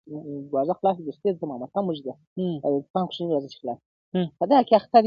و حاکم ته سو ور وړاندي په عرضونو-